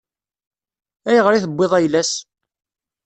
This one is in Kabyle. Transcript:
Ayɣer i tewwiḍ ayla-s?